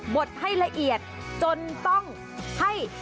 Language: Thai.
ดให้ละเอียดจนต้องให้